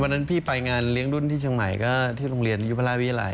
วันนั้นพี่ไปงานเลี้ยงรุ่นที่เชียงใหม่ก็ที่โรงเรียนยุพราชวิทยาลัย